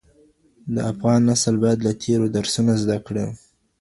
د افغان نسل باید له تېرو درسونه زده کړي.